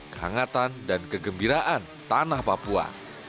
kehangatan dan kegembiraan tanah papua